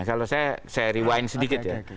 kalau saya rewind sedikit ya